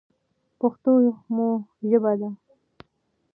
پښتو مو ژبه ده.